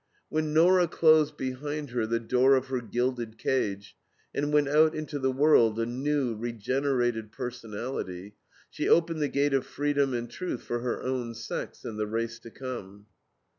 When Nora closed behind her the door of her gilded cage and went out into the world a new, regenerated personality, she opened the gate of freedom and truth for her own sex and the race to come.